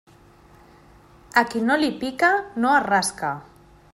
A qui no li pica, no es rasca.